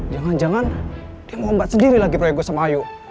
jangan jangan dia ngombat sendiri lagi proyek gue sama ayu